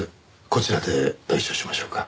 こちらで対処しましょうか？